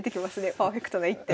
パーフェクトな一手。